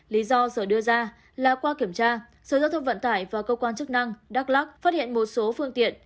lý do sở đưa ra là qua kiểm tra sở giao thông vận tải và cơ quan chức năng đắk lắc phát hiện một số phương tiện